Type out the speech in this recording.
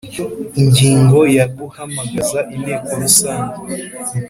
Ingingo ya guhamagaza inteko rusange